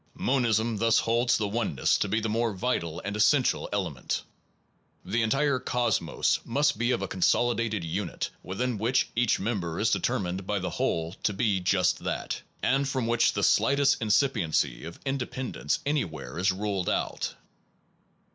Monism thus holds the oneness to be the more vital and essential element. The entire The value cosmos must be a consolidated unit, hite cme within which each member is deter ness mined by the whole to be just that, and from which the slightest incipiency of in dependence anywhere is ruled out.